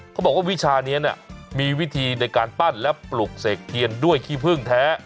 เขาบอกว่าวิชานี้เนี่ยมีวิธีในการปั้นและปลูกเสกเทียนด้วยขี้เพิ่งแท้